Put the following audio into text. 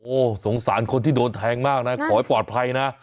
โอ้โหสงสารคนที่โดนแทงมากนะขอให้ปลอดภัยนะ